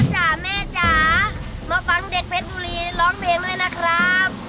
จ้ะแม่จ๋ามาฟังเด็กเพชรบุรีร้องเพลงด้วยนะครับ